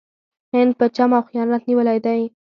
هند په چم او خیانت نیولی دی.